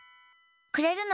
くれるの？